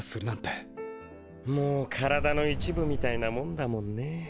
もう体の一部みたいなもんだもんね。